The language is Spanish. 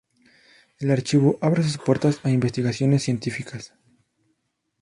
El archivo abre sus puertas a investigaciones científicas.